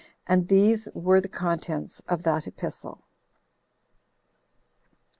And these were the contents of that epistle.